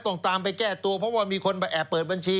ตามไปแก้ตัวเพราะว่ามีคนไปแอบเปิดบัญชี